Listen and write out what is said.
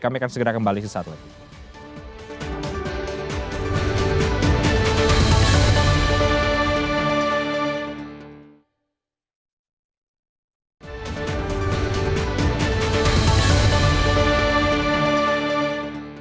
kami akan segera kembali sesaat lagi